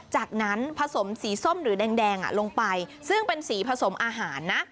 หรือแดงลงไปซึ่งเป็นสีผสมอาหารนะ